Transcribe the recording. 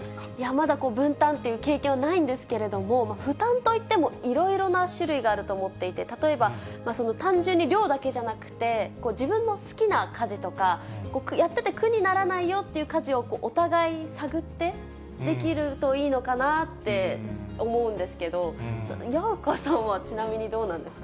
まだ分担っていう経験はないんですけれども、負担といってもいろいろな種類があると思っていて、例えば、単純に量だけじゃなくて、自分の好きな家事とか、やってて苦にならないよっていう家事をお互い探って、できるといいのかなって、思うんですけど、矢岡さんは、ちなみにどうなんですか？